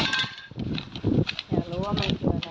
ไม่มีอะไร